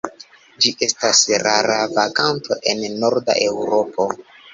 Ĝi estas rara vaganto en Norda Eŭropo.